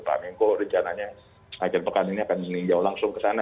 paham ya kok rencananya akhir pekan ini akan meninjau langsung ke sana